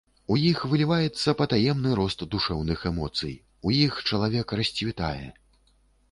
У іх выліваецца патаемны рост душэўных эмоцый, у іх чалавек расцвітае.